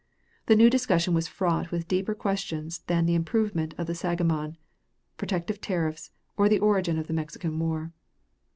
The new discussion was fraught with deeper questions than the improvement of the Sangamon, protective tariffs, or the origin of the Mexican war.